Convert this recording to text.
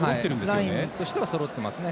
ラインとしてはそろってますね。